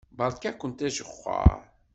Beṛka-kent ajexxeṛ.